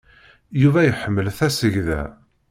Yuba iḥemmel tasegda.